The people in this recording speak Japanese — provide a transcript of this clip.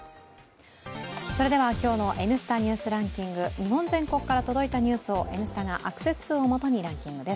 それでは今日の「Ｎスタ・ニュースランキング」、日本全国から届いたニュースを「Ｎスタ」がアクセス数をもとにランキングです。